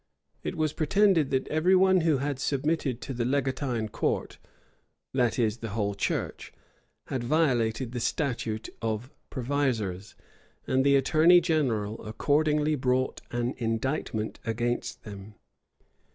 It was pretended, that every one who had submitted to the legatine court, that is, the whole church, had violated the statute of provisors; and the attorney general accordingly brought an indictment against them.